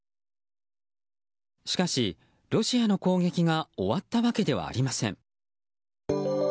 しかし、ロシアの攻撃が終わったわけではありません。